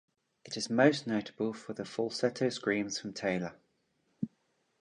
It is most notable for the falsetto screams from Taylor.